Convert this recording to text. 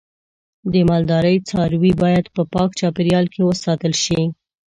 د مالدارۍ څاروی باید په پاک چاپیریال کې وساتل شي.